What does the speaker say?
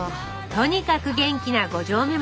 とにかく元気な五城目町。